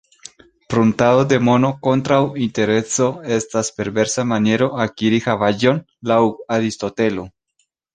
Pruntado de mono kontraŭ interezo estas perversa maniero akiri havaĵon, laŭ Aristotelo.